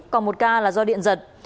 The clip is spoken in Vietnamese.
còn một ca là do điện giật